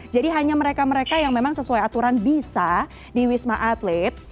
jadi hanya mereka mereka yang memang sesuai aturan bisa di wisma atlet